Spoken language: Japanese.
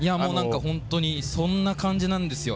本当にそんな感じなんですよ。